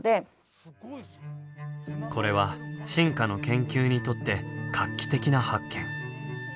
これは進化の研究にとって画期的な発見。